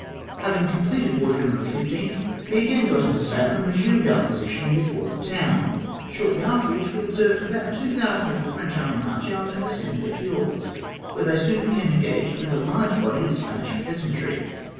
Having completed watering on the 15th, we again got under sail, and resumed our position before the town, shortly after which we observed about' 2000 of the French army march out and ascend the hills, where they soon became engaged with a large body of Spanish peasantry.